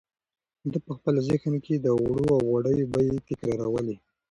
ده په خپل ذهن کې د اوړو او غوړیو بیې تکرارولې.